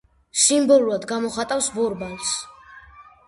სიმბოლურად გამოხატავს ბორბალს.